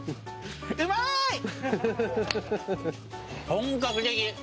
本格的。